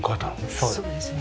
そうですね。